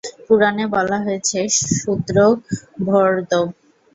পুরাণে বলা হয়েছে শূদ্রোগর্ভোদ্ভব।